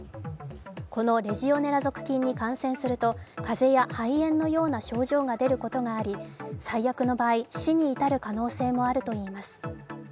このレジオネラ属菌に感染すると風邪や肺炎のような症状が出ることがあり最悪の場合、死に至る可能性もあるとといます。